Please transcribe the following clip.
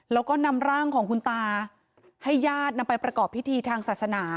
แล้วก็นำร่างของคุณตาให้ญาตินำไปประกอบพิธีทางศาสนา